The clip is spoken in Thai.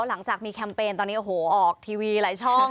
หลังจากมีแคมเปญตอนนี้โอ้โหออกทีวีหลายช่อง